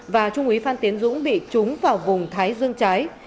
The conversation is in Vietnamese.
và trung úy phan tiến dũng bị trúng vào vùng thái dương trái